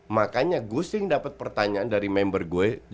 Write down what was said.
makanya gue sing dapet pertanyaan dari member gue